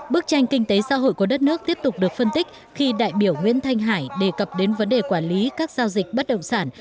bức tranh kinh tế xã hội của đất nước tiếp tục được phân tích khi đại biểu nguyễn thanh hải đề cập đến vấn đề quản lý các giao dịch bất động sản